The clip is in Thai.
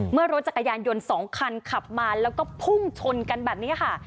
เมื่อรถจักรยานยนต์๒คันขับมาแล้วก็พุ่งชนกันแบบนี้ค่ะ